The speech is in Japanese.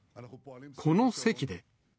この席で。